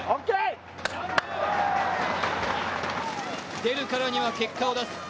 出るからには結果を出す。